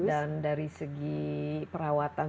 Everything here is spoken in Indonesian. dan dari segi perawatan